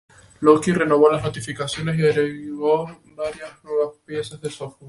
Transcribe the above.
Loki renovó las notificaciones y agregó varias nuevas piezas de software.